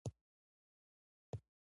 سیاستمدار هیواد اداره کوي